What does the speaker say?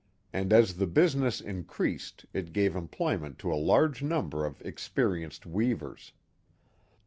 and as the business increased it gave employment to a large number of experienced weavers.